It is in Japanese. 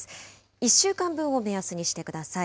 １週間分を目安にしてください。